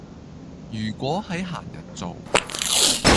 如果喺閒日做